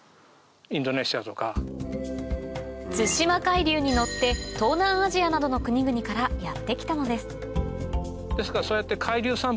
対馬海流に乗って東南アジアなどの国々からやって来たのですですからそうやって。